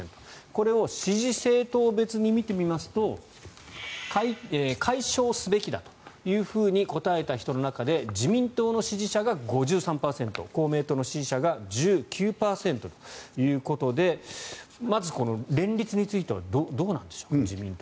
これを支持政党別に見てみますと解消すべきだというふうに答えた人の中で自民党の支持者が５３％公明党の支持者が１９％ということでまず連立についてはどうなんでしょうか？